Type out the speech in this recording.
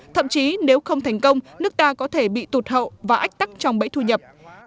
thậm chí nếu không thành công nước ta có thể bị tụt hậu và ách tắc trong bẫy thu nhập